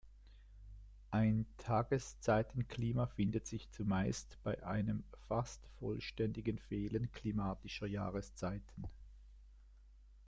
Ein Tageszeitenklima findet sich zumeist bei einem fast vollständigen Fehlen klimatischer Jahreszeiten.